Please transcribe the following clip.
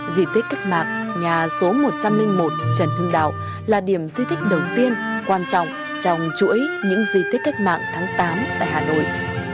di tích cách mạng nhà số một trăm linh một trần hưng đạo là điểm di tích đầu tiên quan trọng trong chuỗi những di tích cách mạng tháng tám tại hà nội